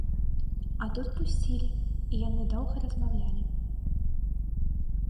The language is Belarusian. А тут пусцілі, і яны доўга размаўлялі.